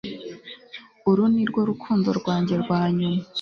uru nirwo rukundo rwanjye rwanyuma